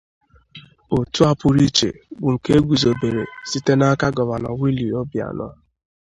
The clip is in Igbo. Òtù a pụrụ iche bụ nke e guzobere site n'aka Gọvanọ Willie Obianọ